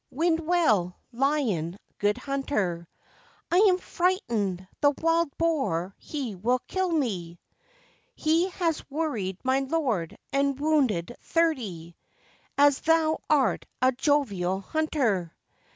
Wind well, Lion, good hunter. 'I'm frightened, the wild boar he will kill me, He has worried my lord, and wounded thirty, As thou art a jovial hunter.